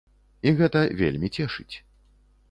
І гэта вельмі цешыць.